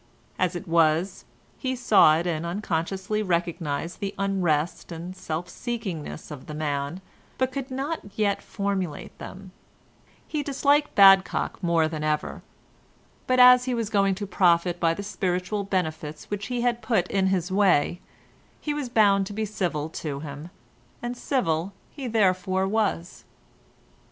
As it was, he saw it and unconsciously recognised the unrest and self seekingness of the man, but could not yet formulate them; he disliked Badcock more than ever, but as he was going to profit by the spiritual benefits which he had put in his way, he was bound to be civil to him, and civil he therefore was.